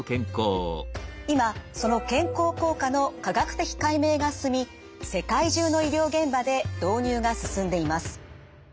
今その健康効果の科学的解明が進み世界中の医療現場で導入が進んでいます。